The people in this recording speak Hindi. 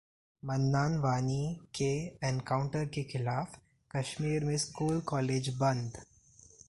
मन्नान वानी के एनकाउंटर के खिलाफ कश्मीर में स्कूल-कॉलेज बंद